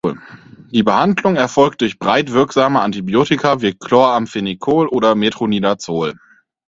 Die Behandlung erfolgt durch breit wirksame Antibiotika wie Chloramphenicol oder Metronidazol.